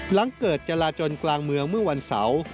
หลังเกิดจราจนกลางเมืองเมื่อวันเสาร์